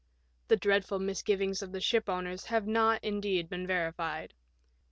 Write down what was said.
The dreadful misgivings of the shipowners have not, indeed, been verified.